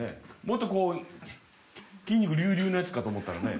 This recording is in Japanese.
もっと筋肉隆々なやつかと思ったらね。